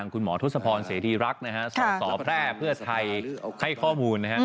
คุณหมอทศพรเสถียรักนะครับสอบแพร่เพื่อไทยให้ข้อมูล